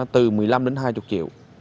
từ một mươi năm đến hai mươi triệu